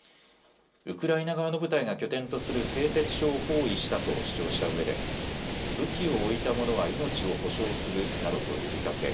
ウクライナ側の部隊が拠点とする製鉄所を包囲したと主張したうえで武器を置いた者は命を保証するなどと呼びかけ